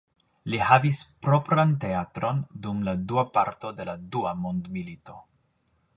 Li havis propran teatron dum la dua parto de la dua mondmilito.